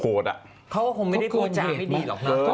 โคตรอ่ะเขาคงไม่ได้พูดจ้านไม่ดีหรอกฮะ